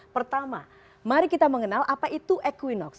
pertama mari kita mengenal apa itu equinox